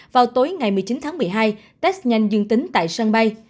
vào tối ngày một mươi chín tháng một mươi hai test nhanh dương tính tại sân bay